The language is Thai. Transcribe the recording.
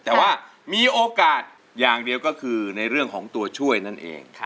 แต่ว่ามีโอกาสอย่างเดียวก็คือในเรื่องของตัวช่วยนั่นเอง